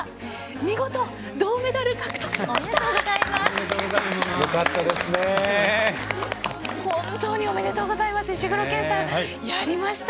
見事、銅メダル獲得しました！